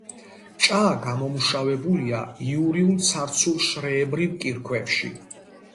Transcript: ჭა გამომუშავებულია იურულ ცარცულ შრეებრივ კირქვებში.